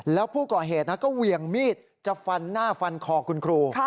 แล้วผู้ก่อเหตุก็เหวี่ยงมีดจะฟันหน้าฟันคอคุณครู